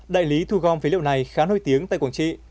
đại lý thu gom phế liệu này khá nổi tiếng tại quảng trị